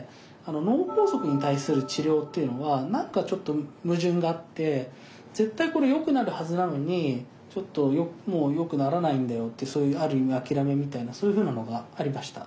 脳梗塞に対する治療っていうのは何かちょっと矛盾があって絶対これは良くなるはずなのにちょっともう良くならないんだよってそういうある意味諦めみたいなそういうふうなものがありました。